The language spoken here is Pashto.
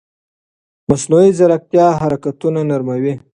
مصنوعي ځیرکتیا حرکتونه نرموي.